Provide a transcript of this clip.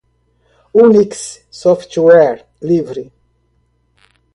unix, software livre